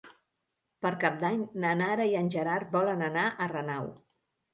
Per Cap d'Any na Nara i en Gerard volen anar a Renau.